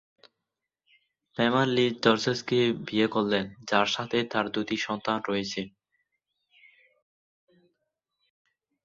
পেমার Liz জর্জেসকে বিয়ে করেন, যার সাথে তার দুটি সন্তান রয়েছে।